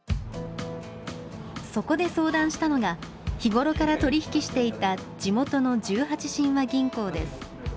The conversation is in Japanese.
そこで相談したのが日頃から取り引きしていた地元の十八親和銀行です。